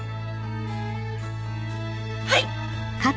はい。